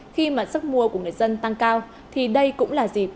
khi mà sức mua của người dân tăng cao thì đây cũng là dịp